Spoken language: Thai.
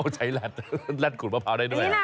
ใช้แรดขูดมะพร้าวได้ด้วย